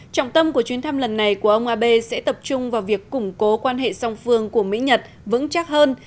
trọng tâm của chuyến thăm lần này của ông abe sẽ tập trung vào việc củng cố quan hệ song phương của mỹ nhật vững chắc hơn